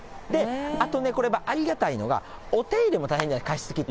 あとね、これがありがたいのが、お手入れも大変じゃない、加湿器って。